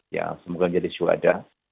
ya semoga jadi suada